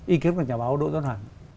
ý kiến của nhà báo đỗ tuấn hoàng